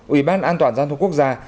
ủy ban an toàn giao thông quốc gia